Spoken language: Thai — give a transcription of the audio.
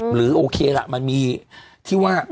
หรือโอเคล่ะมันมีที่ว่า